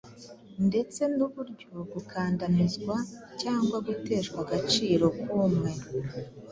ndetse n’uburyo gukandamizwa cyangwa guteshwa agaciro k’umwe